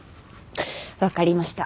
わかりました。